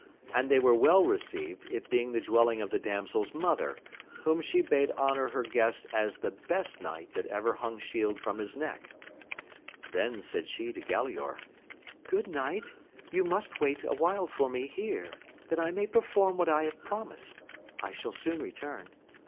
and they were well received, it being the dwelling (rf the damsers mother, whom she bade honour her guest as the best knight that ever hung shield from his neck. Then said she to Galaor, Good knight, you must wait awhile for me here, that I may perform what I have promised ; I shall soon return.